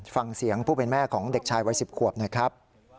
ฟังเสียงผู้เป็นแม่ของเด็กชายวัย๑๐ขวบหน่อยครับ